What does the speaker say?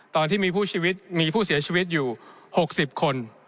ตอนที่มีผู้เสียชีวิตอยู่๖๐คน